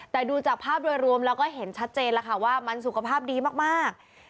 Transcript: แต่ดูจากภาพโดยรวมแล้วก็เห็นชัดเจนแล้วค่ะว่ามันสุขภาพดีมาก